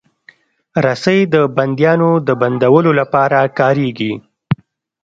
رسۍ د بندیانو د بندولو لپاره کارېږي.